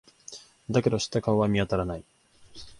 だけど、知った顔は見当たらない。